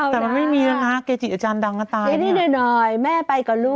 แต่มันไม่มีแล้วนะเกจิอาจารย์ดังก็ตายนี่หน่อยแม่ไปกับลูก